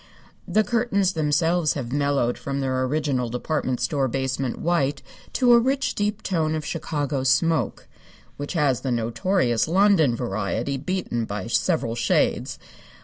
The curtains themselves have mellowed from their original department store basement white to a rich, deep tone of Chicago smoke, which has the notorious London variety beaten by several shades.